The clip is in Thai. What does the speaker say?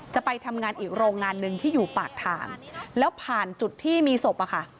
จะไปทำงานอีกโรงงานหนึ่งที่อยู่ปากทางแล้วผ่านจุดที่มีศพอะค่ะ